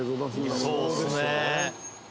「そうですね」